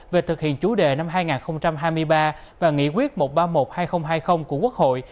về thực hiện chủ đề năm hai nghìn hai mươi ba và nghị quyết một trăm ba mươi một hai nghìn hai mươi của quốc hội